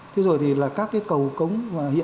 thế rồi thì là các cái cầu cống